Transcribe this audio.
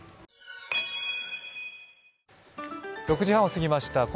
６時半を過ぎました。